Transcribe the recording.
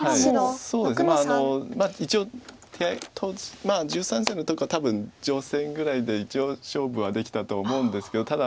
そうですね一応手合当時１３歳の時から多分定先ぐらいで一応勝負はできたと思うんですけど。